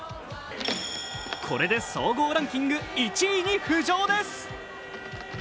これで総合ランキング１位に浮上です。